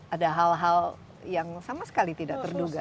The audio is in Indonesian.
ada hal hal yang sama sekali tidak terduga